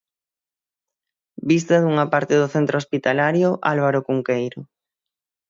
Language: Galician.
Vista dunha parte do centro hospitalario Álvaro Cunqueiro.